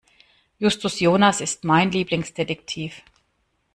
Justus Jonas ist mein Lieblingsdetektiv.